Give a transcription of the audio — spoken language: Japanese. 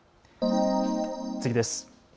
次です。